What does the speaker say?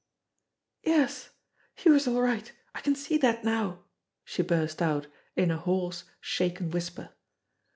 "Yes, youse're all right, I can see dat now," she burst out in a hoarse, shaken whisper.